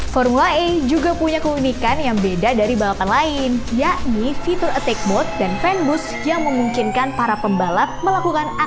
formula e juga punya keunikan yang beda dari balapan lain yakni fitur attack mode dan fan boost yang memungkinkan para pembalap melakukan aksi overtaking di lintasan